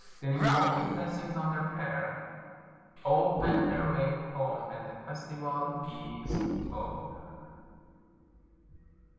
Then, invoking blessings on the pair, all wend their way home, and the festival is over.